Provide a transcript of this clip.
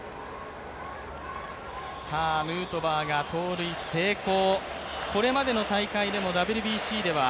ヌートバーが盗塁成功、これまでの大会でもＷＢＣでは